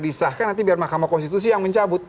disahkan nanti biar mahkamah konstitusi yang mencabut